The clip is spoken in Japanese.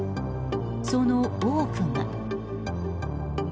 その多くが。